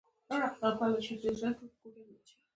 کرمیه چې غم نه وي غم به راوړې تاریخي شالید لري